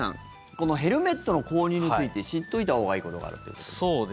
このヘルメットの購入について知っておいたほうがいいことがあるということですが。